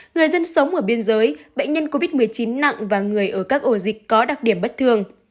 người dân sống ở biên giới bệnh nhân covid một mươi chín nặng và người ở các ổ dịch có đặc điểm bất thường